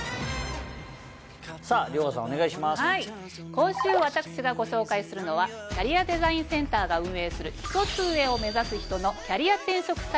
今週私がご紹介するのはキャリアデザインセンターが運営するひとつ上を目指す人の。